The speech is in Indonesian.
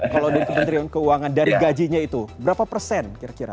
kalau dari kementerian keuangan dari gajinya itu berapa persen kira kira